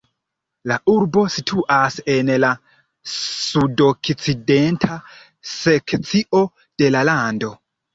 La urbo situas en la sudokcidenta sekcio de la lando.